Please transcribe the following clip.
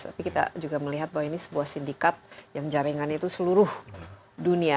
tapi kita juga melihat bahwa ini sebuah sindikat yang jaringan itu seluruh dunia